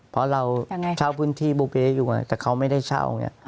เพราะเราเช่าพื้นที่บุเป๊ะอยู่แต่เขาไม่ได้เช่า